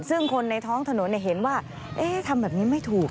ซึ่งคนในท้องถนนเห็นว่าทำแบบนี้ไม่ถูก